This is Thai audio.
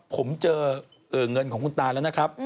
ผมเจอเงินของคุณตาแล้วนะครับ